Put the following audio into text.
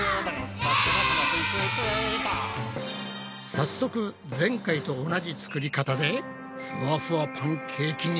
早速前回と同じ作り方でふわふわパンケーキに挑戦だ。